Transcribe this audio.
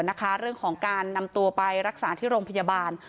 เรื่องของการนำตัวไปรักษาที่โรงพยาบาล